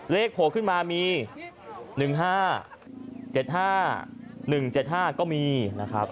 เลขโผล่ขึ้นมามีหนึ่งห้าเจ็ดห้าหนึ่งเจ็ดห้าก็มีนะครับ